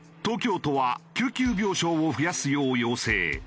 東京都は救急病床を増やすよう要請。